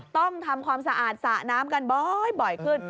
ต้องทำความสะอาดสระน้ำกันบ่อยขึ้น